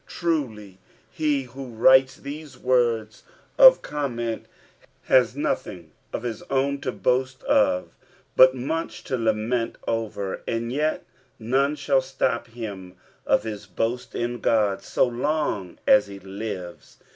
Truly he who writes these words of comment has nothing of his own to boast of, but much to lament over, and yet none shall stop him of his boast in Ood so long as he lives.